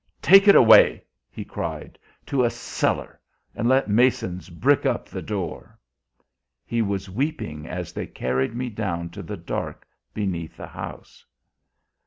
'Take it away,' he cried. 'To a cellar, and let masons brick up the door.' He was weeping as they carried me down to the dark beneath the house."